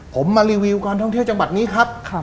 ผมมารีวิวการท่องเที่ยวจังหวัดนี้ครับ